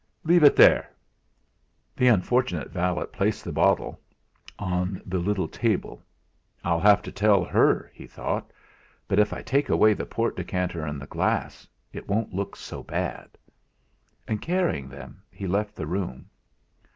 "Leave it there." The unfortunate valet placed the bottle on the little table. 'I'll have to tell her,' he thought; 'but if I take away the port decanter and the glass, it won't look so bad.' And, carrying them, he left the room.